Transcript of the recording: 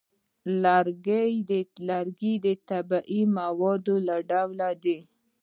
لرګی د طبیعي موادو له ډلې دی.